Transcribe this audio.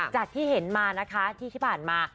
จากที่เห็นมานะคะที่ที่ผ่านมา